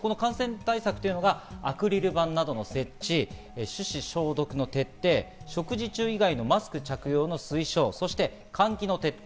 感染対策というのがアクリル板などの設置、手指消毒の徹底、食事中以外のマスク着用の推奨、そして換気の徹底。